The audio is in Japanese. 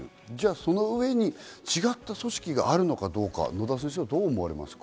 その上に違った組織があるのかどうか、どう思われますか？